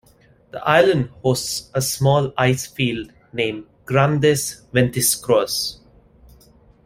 The island hosts a small ice field named Grandes Ventisqueros.